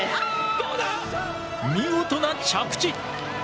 見事な着地！